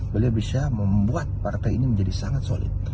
beliau bisa membuat partai ini menjadi sangat solid